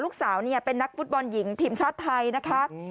ลูกสาวเป็นนักฟุตบอลหญิงทีมชาติไทยนะคะ